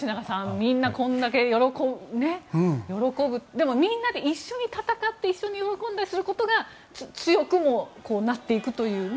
みんなこれだけ喜ぶでも、みんなで一緒に戦って一緒に喜んだりすることが強くもなっていくというね